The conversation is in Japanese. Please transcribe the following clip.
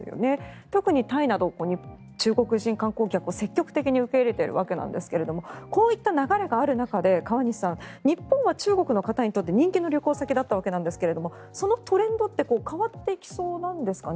特にタイなど中国人観光客を積極的に受け入れているわけですがこういった流れがある中で川西さん日本は中国の方にとって人気の旅行先だったんですがそのトレンドって変わっていきそうなんですかね